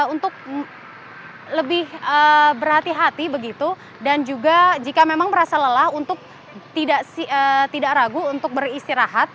untuk lebih berhati hati begitu dan juga jika memang merasa lelah untuk tidak ragu untuk beristirahat